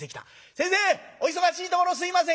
先生お忙しいところすいません」。